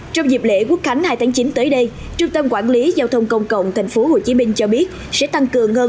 trong dịp lễ quốc khánh hai tháng chín tới đây trung tâm quản lý giao thông công cộng tp hcm cho biết sẽ tăng cường hơn